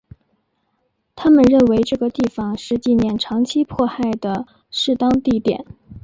他们认为这个地方是纪念长期迫害的适当地点。